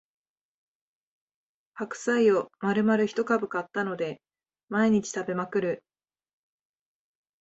白菜をまるまる一株買ったので毎日食べまくる